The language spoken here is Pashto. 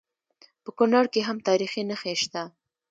په کونړ کې هم تاریخي نښې شته